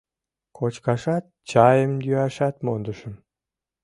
Кочкашат, чайым йӱашат мондышым.